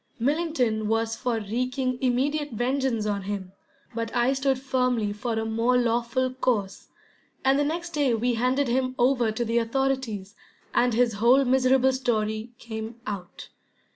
Millington was for wreaking immediate vengeance on him, but I stood firmly for a more lawful course, and the next day we handed him over to the authorities, and his whole miserable story came out.